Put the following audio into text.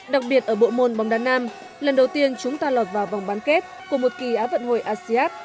đặc biệt ở bộ môn bóng đá nam lần đầu tiên chúng ta lọt vào vòng bán kết của một kỳ á vận hội asean